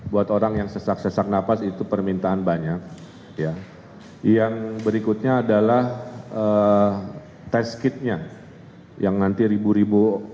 buat orang yang sesak sesak nafas itu permintaan banyak yang berikutnya adalah tes kitnya yang nanti ribu ribu